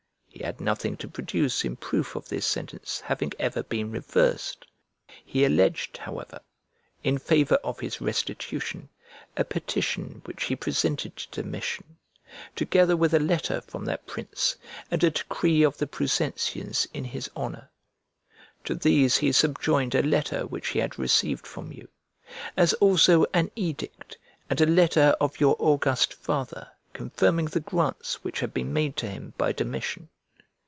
He had nothing to produce in proof of this sentence having ever been reversed. He alleged, however, in favour of his restitution, a petition which he presented to Domitian, together with a letter from that prince, and a decree of the Prusensians in his honour. To these he subjoined a letter which he had received from you; as also an edict and a letter of your august father confirming the grants which had been made to him by Domitian.